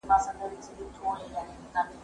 زه هره ورځ سفر کوم!!